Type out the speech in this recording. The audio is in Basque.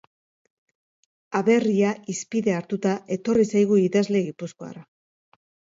Aberria hizpide hartuta etorri zaigu idazle gipuzkoarra.